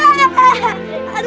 nanti saya jatuh